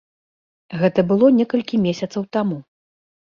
Гэта было некалькі месяцаў таму.